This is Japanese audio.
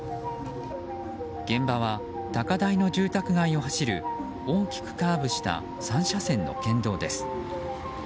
現場は高台の住宅街を走る大きくカーブした３車線の県道です。